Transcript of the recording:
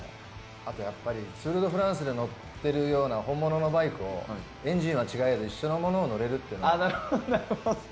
あとはツール・ド・フランスで乗ってるような本物のバイクをエンジンは違えど一緒のものを乗れるっていうのが。